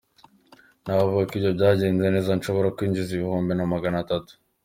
Navuga ko iyo byagenze neza nshobora kwinjiza ibihumbi nka magana atatu.